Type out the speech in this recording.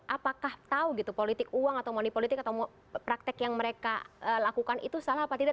apakah tahu gitu politik uang atau money politik atau praktek yang mereka lakukan itu salah apa tidak